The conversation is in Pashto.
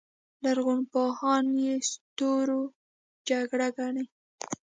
لرغونپوهان یې ستورو جګړه ګڼي